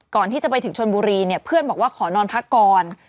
ก่อนที่จะไปถึงชนบุรีเนี่ยเพื่อนบอกว่าขอนอนพักก่อน